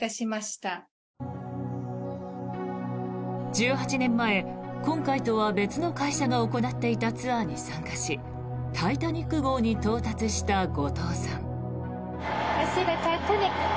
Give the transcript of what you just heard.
１８年前、今回とは別の会社が行っていたツアーに参加し「タイタニック号」に到達した後藤さん。